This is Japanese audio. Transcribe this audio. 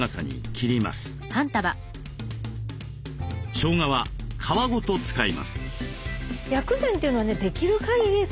しょうがは皮ごと使います。